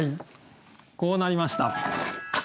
こうなりました。